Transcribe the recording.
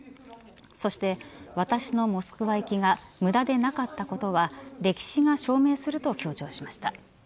そして、私のモスクワ行きが無駄でなかったことは歴史が証明すると強調しました。